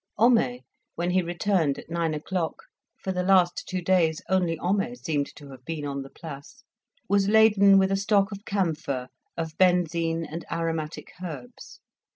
Homais, when he returned at nine o'clock (for the last two days only Homais seemed to have been on the Place), was laden with a stock of camphor, of benzine, and aromatic herbs.